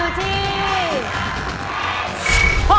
เรียบร้อย